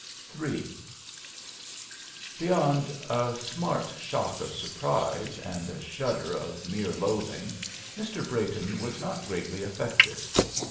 III Beyond a smart shock of surprise and a shudder of mere loathing Mr. Brayton was not greatly affected.